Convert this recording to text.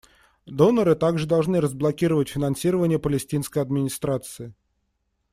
Доноры также должны разблокировать финансирование Палестинской администрации.